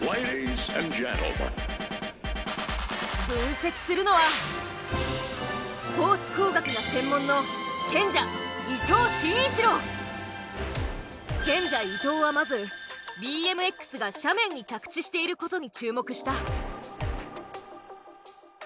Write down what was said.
分析するのはスポーツ工学が専門の賢者賢者・伊藤はまずＢＭＸが斜面に着地していることに注目した。